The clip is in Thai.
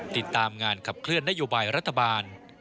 ติดตามงานขับเคลื่อนนโยบายรัฐบาล